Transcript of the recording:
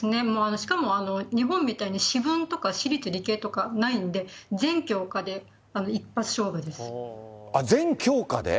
しかも日本みたいに私文とか私立理系とかないんで、全教科で一発全教科で？